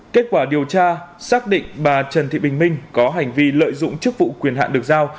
kết quả điều tra xác định bà trần thị bình minh có hành vi lợi dụng chức vụ quyền hạn được giao